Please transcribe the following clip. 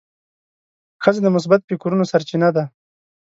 ښځه د مثبت فکرونو سرچینه ده.